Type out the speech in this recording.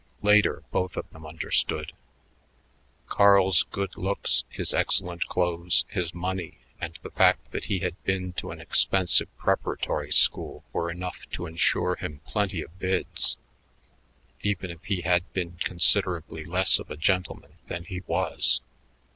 Later both of them understood. Carl's good looks, his excellent clothes, his money, and the fact that he had been to an expensive preparatory school were enough to insure him plenty of bids even if he had been considerably less of a gentleman than he was.